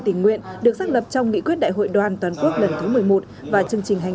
tình nguyện được xác lập trong nghị quyết đại hội đoàn toàn quốc lần thứ một mươi một và chương trình hành